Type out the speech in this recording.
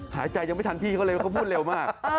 หายใจยังไม่ทันพี่เขาเลยว่าเขาพูดเร็วมาก